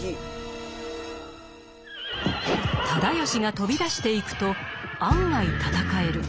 直義が飛び出していくと案外戦える。